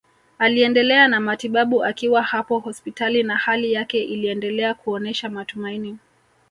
Aliendelea na matibabu akiwa hapo hospitali na hali yake iliendelea kuonesha matumaini